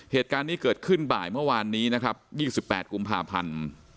เหตุการณ์นี้เกิดขึ้นบ่ายเมื่อวานนี้นะครับ๒๘กุมภาพันธ์